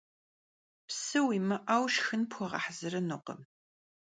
Psı vuimı'eu şşxın pxueğehezırınukhım.